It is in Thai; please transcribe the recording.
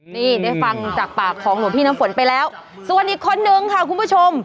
นี่ได้ฟังจากปากของหลวงพี่น้ำฝนไปแล้วส่วนอีกคนนึงค่ะคุณผู้ชม